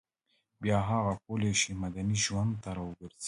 بیا هغه کولای شي مدني ژوند ته راوګرځي